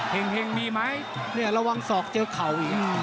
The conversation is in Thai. เห็งหรือเปล่า